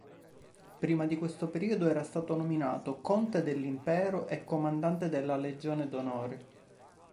Prima di questo periodo era stato nominato conte dell'impero e comandante della Legione d'Onore.